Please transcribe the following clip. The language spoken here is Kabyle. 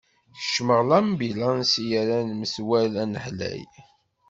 Kecmeɣ lambilanṣ i yerran metwal anaḥlay.